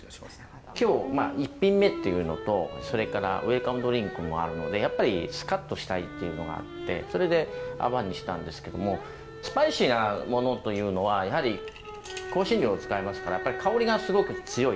今日一品目っていうのとそれからウェルカムドリンクもあるのでやっぱりスカッとしたいっていうのがあってそれで泡にしたんですけどもスパイシーなものというのはやはり香辛料を使いますからやっぱり香りがすごく強い。